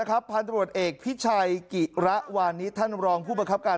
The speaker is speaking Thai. พันธุ์ตำรวจเอกพี่ชัยกิระวานิท่านรองผู้บังคับการ